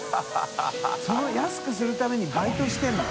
修安くするためにバイトしてるの？